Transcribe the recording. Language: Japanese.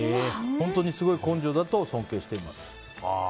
本当にすごい根性だと尊敬しています。